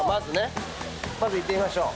まず行ってみましょう。